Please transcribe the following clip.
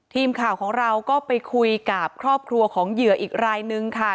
ทีมข่าวของเราก็ไปคุยกับครอบครัวของเหยื่ออีกรายนึงค่ะ